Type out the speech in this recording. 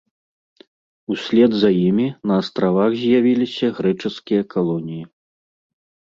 Услед за імі на на астравах з'явіліся грэчаскія калоніі.